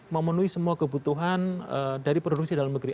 memenuhi semua kebutuhan dari produksi dalam negeri